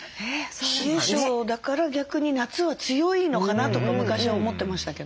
冷え症だから逆に夏は強いのかなとか昔は思ってましたけど。